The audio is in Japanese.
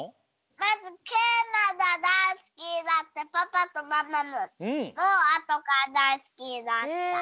まずけいまがだいすきになってパパとママもあとからだいすきになった。